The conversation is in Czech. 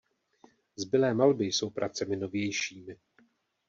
Zbylé malby jsou pracemi novějšími.